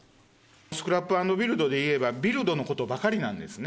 スクラップ・アンド・ビルドでいうと、ビルドのことばかりなんですね。